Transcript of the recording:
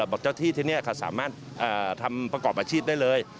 บอกเจ้าที่ที่นี่เขาสามารถทำประกอบอาชีพได้เลย